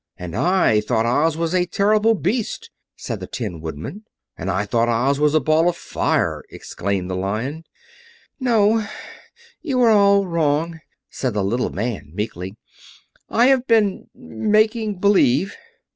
"And I thought Oz was a terrible Beast," said the Tin Woodman. "And I thought Oz was a Ball of Fire," exclaimed the Lion. "No, you are all wrong," said the little man meekly. "I have been making believe."